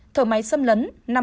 thở máy xâm lấn năm mươi hai ca